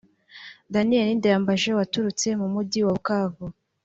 Daniel ndayambaje waturutse mu muyjyi wa Bukavu